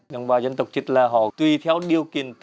đồng bào dân tộc chức là họ tùy theo điều kiện